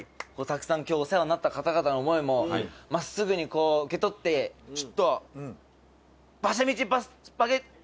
たくさん今日お世話になった方々の思いも真っすぐにこう受け取ってちょっと。